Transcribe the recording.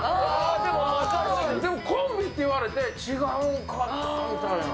でもコンビって言われて、違うかな。